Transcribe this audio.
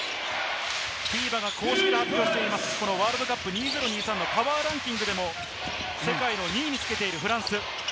ＦＩＢＡが公式で発表しているワールドカップ２０２３のパワーランキングでも世界の２位につけているフランス。